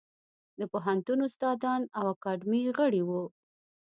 د پوهنتون استادان او د اکاډمۍ غړي وو.